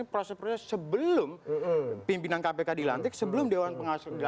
proses proses sebelum pimpinan kpk dilantar